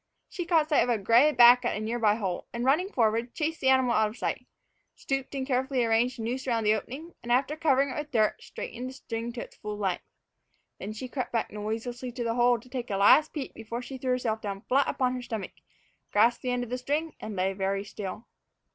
She caught sight of a gray back at a near by hole, and, running forward, chased the animal out of sight, stooped and carefully arranged the noose around the opening, and, after covering it with dirt, straightened the string to its full length. Then she crept back noiselessly to the hole to take a last peep before she threw herself down flat upon her stomach, grasped the end of the string, and lay very still.